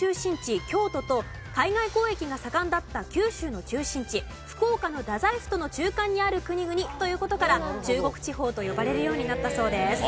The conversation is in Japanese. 京都と海外交易が盛んだった九州の中心地福岡の太宰府との中間にある国々という事から中国地方と呼ばれるようになったそうです。